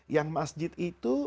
yang masjid itu